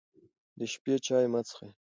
د شپې چای مه څښئ.